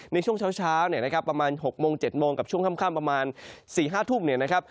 ในช่วงเช้าประมาณ๖โมง๗โมงกับช่วงข้ำประมาณ๔๕ทุ่บ